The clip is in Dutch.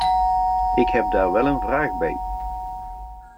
Ik heb daar wel een vraag bij.